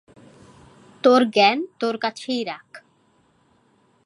তোর জ্ঞান তোর কাছেই রাখ।